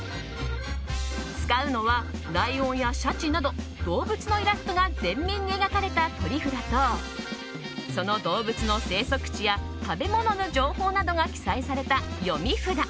使うのはライオンやシャチなど動物のイラストが前面に描かれた取り札とその動物の生息地や食べ物の情報などが記載された読み札。